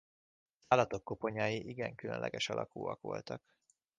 Az állatok koponyái igen különleges alakúak voltak.